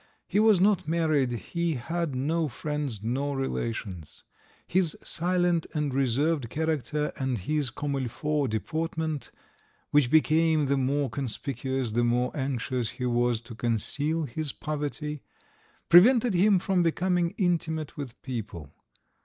He was not married, he had no friends nor relations. His silent and reserved character and his comme il faut deportment, which became the more conspicuous the more anxious he was to conceal his poverty, prevented him from becoming intimate with people.